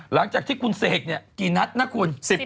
หลังจากที่คุณเสกกี่นัทน่ะผม